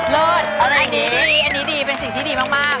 เลิศอันนี้ดีเป็นสิ่งที่ดีมาก